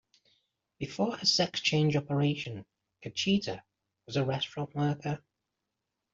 Before her sex-change operation, Cachita was a restaurant worker.